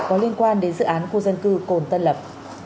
có liên quan đến dự án khu dân cư cồn tân lập